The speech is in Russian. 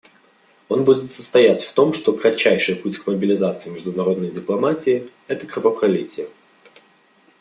Он будет состоять в том, что кратчайший путь к мобилизации международной дипломатии — это кровопролитие.